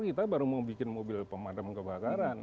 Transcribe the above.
kita baru mau bikin mobil pemadam kebakaran